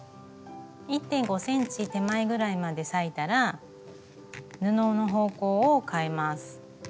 １．５ｃｍ手前ぐらいまで裂いたら布の方向をかえます。